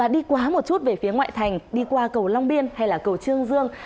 đi qua một chút về phía ngoại thành đi qua cầu long biên hay là cầu trương dương